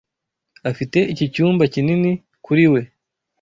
Afite iki cyumba kinini kuri we.